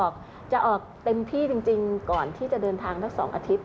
คือจะออกเต็มที่จริงก่อนที่จะเดินทางสัก๒อาทิตย์